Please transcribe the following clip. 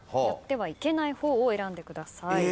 やってはいけない方を選んでください。